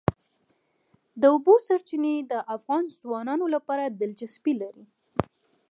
د اوبو سرچینې د افغان ځوانانو لپاره دلچسپي لري.